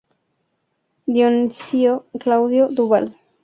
Dionisio Claudio Duval.